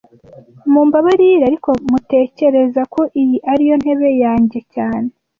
Mumbabarire, ariko tmutekereza ko iyi ari yo ntebe yanjye cyane